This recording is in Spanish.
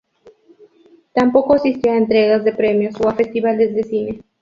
Tampoco asistió a entregas de premios o a festivales de cine.